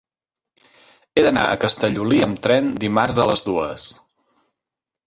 He d'anar a Castellolí amb tren dimarts a les dues.